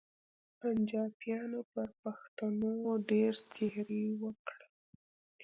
پنچاپیانو پر پښتنو ډېر تېري وکړل.